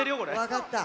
わかった。